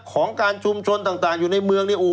ของการชุมชนต่างอยู่ในเมืองในอู่